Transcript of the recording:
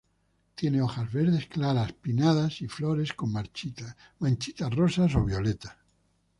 Tiene hojas verde claras pinnadas; y flores con manchitas rosas o violetas.